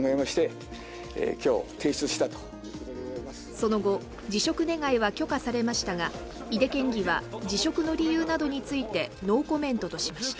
その後、辞職願は許可されましたが、井手県議は辞職の理由などについてノーコメントとしました。